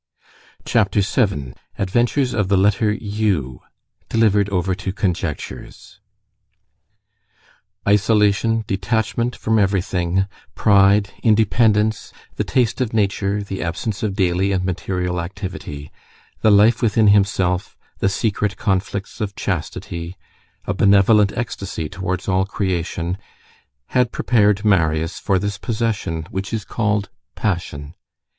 CHAPTER VII—ADVENTURES OF THE LETTER U DELIVERED OVER TO CONJECTURES Isolation, detachment, from everything, pride, independence, the taste of nature, the absence of daily and material activity, the life within himself, the secret conflicts of chastity, a benevolent ecstasy towards all creation, had prepared Marius for this possession which is called passion.